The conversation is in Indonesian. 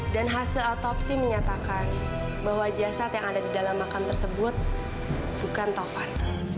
dan hasil otopsi menyatakan bahwa jasad yang ada di dalam makam tersebut bukan tovan